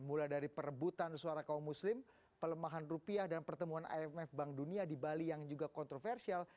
mulai dari perebutan suara kaum muslim pelemahan rupiah dan pertemuan imf bank dunia di bali yang juga kontroversial